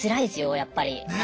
やっぱり。